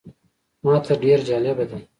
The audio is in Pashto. ماته ډېر جالبه دی.